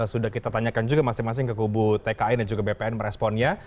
sudah kita tanyakan juga masing masing ke kubu tkn dan juga bpn meresponnya